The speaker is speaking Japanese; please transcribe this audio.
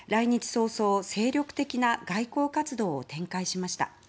早々、精力的な外交活動を展開しました。